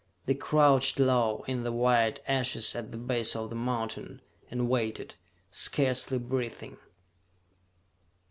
They crouched low in the white ashes at the base of the mountain, and waited, scarcely breathing.